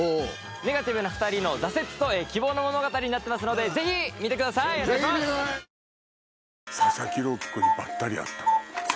ネガティブな２人の挫折と希望の物語になってますのでぜひ見てくださいお願いします！